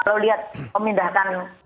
kalau lihat pemindahan